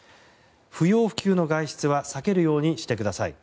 不要不急の外出は避けるようにしてください。